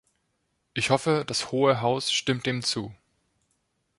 Ich hoffe, das Hohe Haus stimmt dem zu.